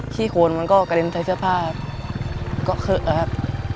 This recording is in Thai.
ขี้โคนมันก็กระเด็นใส่เสื้อผ้าก็เคอะครับ